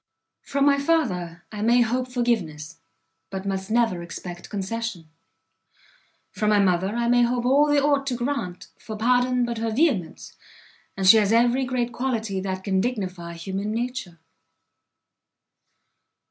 From my father I may hope forgiveness, but must never expect concession; from my mother I may hope all she ought to grant, for pardon but her vehemence, and she has every great quality that can dignify human nature!"